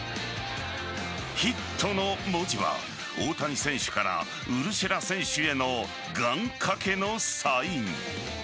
「ヒット！！！」の文字は大谷選手からウルシェラ選手への願掛けのサイン。